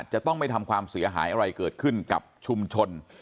จะต้องไม่ทำความเสียหายอะไรเกิดขึ้นกับชุมชน